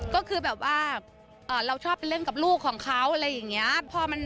ก็คือแบบว่าเราชอบไปเล่นกับลูกของเขาอะไรอย่างนี้